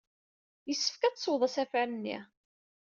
Yessefk ad teswed asafar-nni!